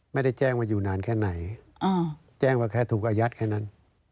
ไม่ได้แจ้งว่าอยู่นานแค่ไหนแจ้งว่าแค่ถูกอายัดแค่นั้น